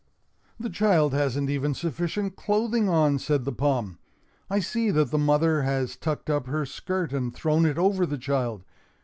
"The child hasn't even sufficient clothing on," said the palm. "I see that the mother has tucked up her skirt and thrown it over the child.